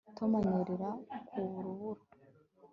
Tom anyerera ku rubura